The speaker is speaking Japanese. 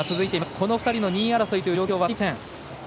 この２人の２位争いという状況は変わりません。